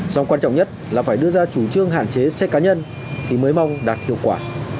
song quan trọng nhất là phải đưa ra chủ trương hạn chế xe cá nhân thì mới mong đạt hiệu quả